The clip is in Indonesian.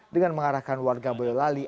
dengan mengarahkan warga boyolali